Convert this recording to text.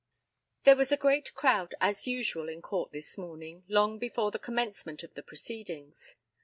There was as great a crowd as usual in court this morning, long before the commencement of the proceedings.